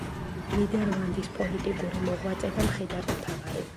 ნიდერლანდის პოლიტიკური მოღვაწე და მხედართმთავარი.